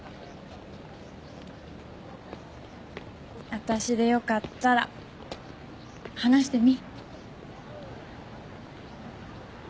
あたしでよかったら話してみ。